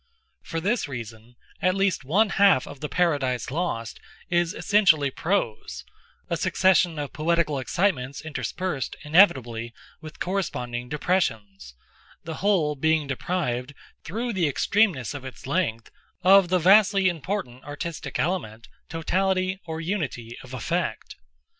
For this reason, at least one half of the Paradise Lost is essentially prose—a succession of poetical excitements interspersed, inevitably, with corresponding depressions—the whole being deprived, through the extremeness of its length, of the vastly important artistic element, totality, or unity, of effect.